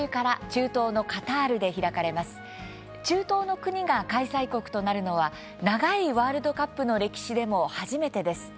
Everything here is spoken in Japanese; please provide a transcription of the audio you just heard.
中東の国が開催国となるのは長いワールドカップの歴史でも初めてです。